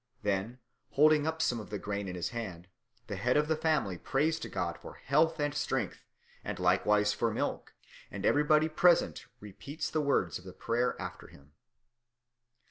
Then, holding up some of the grain in his hand, the head of the family prays to God for health and strength, and likewise for milk, and everybody present repeats the words of the prayer after him.